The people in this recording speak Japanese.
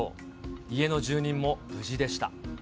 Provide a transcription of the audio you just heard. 家の住人も無事でした。